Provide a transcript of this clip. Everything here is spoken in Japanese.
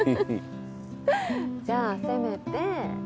じゃあせめて